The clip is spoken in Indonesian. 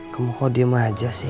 kamu kok diem aja sih